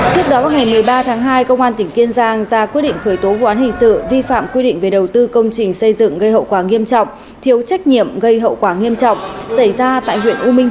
trước đó ngày một mươi ba tháng hai công an tỉnh kiên giang ra quyết định khởi tố vụ án hình sự vi phạm quy định về đầu tư công trình xây dựng gây hậu quả nghiêm trọng thiếu trách nhiệm gây hậu quả nghiêm trọng